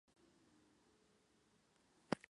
No me verás por allí ni harto de vino